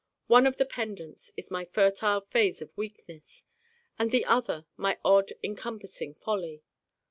One of the pendants is my fertile phase of Weakness and the other my odd encompassing Folly.